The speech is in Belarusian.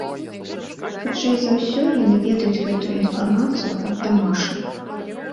Хутчэй за ўсё, яны ведаюць гэтую інфармацыю ад дамашніх.